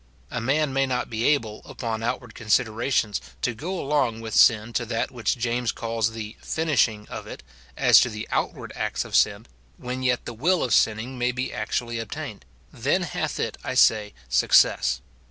A man may not be able, upon outward considerations, to go along with sin to that which James calls the "finishing" of it,* as to the outward acts of sin, when yet the will of sinning may be actually ob tained ; then hath it, I say, success.